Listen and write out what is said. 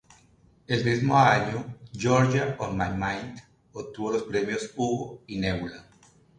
El mismo año 'Georgia on my mind' obtuvo los premios Hugo y Nebula.